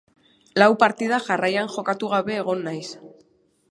Lau partida jarraian jokatu gabe egon naiz.